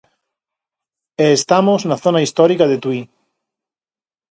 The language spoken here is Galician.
E estamos na zona histórica de Tui.